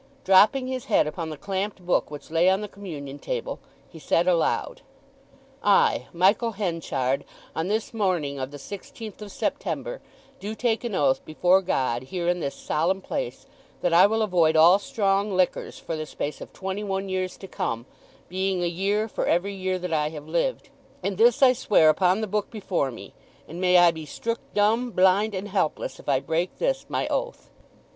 Dropping his head upon the clamped book which lay on the Communion table, he said aloud— "I, Michael Henchard, on this morning of the sixteenth of September, do take an oath before God here in this solemn place that I will avoid all strong liquors for the space of twenty one years to come, being a year for every year that I have lived. And this I swear upon the book before me; and may I be strook dumb, blind, and helpless, if I break this my oath!"